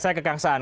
saya ke kang saan